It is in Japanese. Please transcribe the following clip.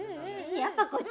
やっぱこっち？